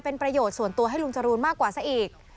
เป็นประโยชน์ส่วนตัวให้ลุงจรูนมากกว่าซะอีก